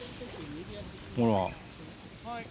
ほら。